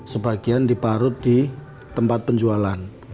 sebagian diparut di tempat penjualan